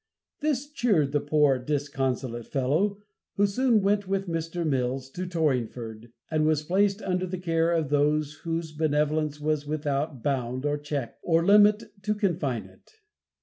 This cheered the poor, disconsolate fellow, who soon went with Mr. Mills to Torringford, and was placed under the "care of those whose benevolence was without a bond or check, or a limit to confine it."